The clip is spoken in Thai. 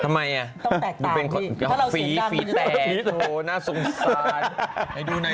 ทำไมอ่ะดูเป็นฟีฟีแตกโหน่าสงสารให้ดูหน่อยดิ